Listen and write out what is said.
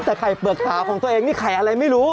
แต่ไข่เปลือกขาวของตัวเองนี่ไข่อะไรไม่รู้